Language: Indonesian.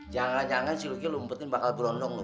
jangan jangan si luki lu umpetin bakal berondong lo